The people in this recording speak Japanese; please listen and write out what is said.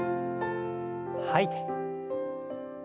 吐いて。